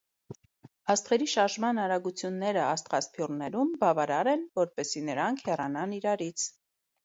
Աստղերի շարժման արագությունները աստղասփյուռներում բավարար են, որպեսզի նրանք հեռանան իրարից։